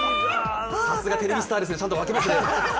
さすがテレビスターですねちゃんと分けますね